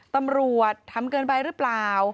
ตำรวจทำเกินไปหรือเปล่า